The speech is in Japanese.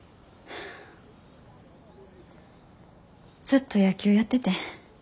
ずっと野球やっててん。